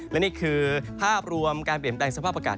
และนี่คือภาพรวมการเปลี่ยนแปลงสภาพอากาศ